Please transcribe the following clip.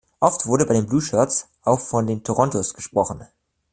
Oft wurde bei den Blueshirts auf von den "Torontos" gesprochen.